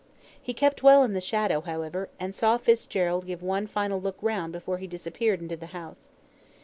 He kept well in the shadow, however, and saw Fitzgerald give one final look round before he disappeared into the house.